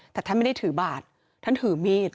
แต่ท่านไม่ได้ถือบาทท่านถือมีด